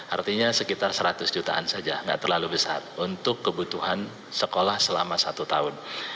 artinya sekitar seratus jutaan saja tidak terlalu besar untuk kebutuhan sekolah selama satu tahun